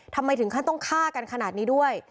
ทำไมถึงขั้นต้องฆ่ากันขนาดนี้ด้วย